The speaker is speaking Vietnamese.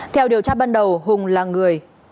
theo điều tra ban đầu hùng là người